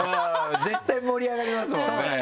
絶対盛り上がりますもんね。